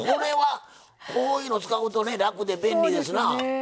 これは、こういうの使うと楽で便利ですな。